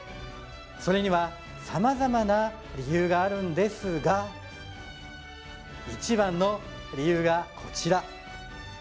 それには様々な理由があるんですが一番の理由がこちら